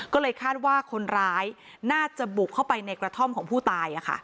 ก็เลยคาดว่าคนร้ายน่าจะบุกเข้าไปในกระท่อมของผู้ตาย